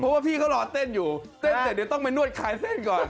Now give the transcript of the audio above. เพราะว่าพี่เขารอเต้นอยู่เต้นแต่เดี๋ยวต้องไปนวดคลายเส้นก่อน